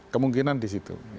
kemungkinan di situ